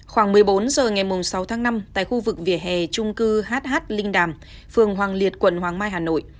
khoảng một mươi bốn h ngày sáu tháng năm tại khu vực vỉa hè trung cư hh linh đàm phường hoàng liệt quận hoàng mai hà nội